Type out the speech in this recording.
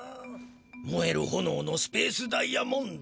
もえるほのおのスペースダイヤモンド。